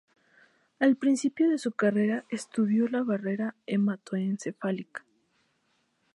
Al principio de su carrera, estudió la barrera hematoencefálica.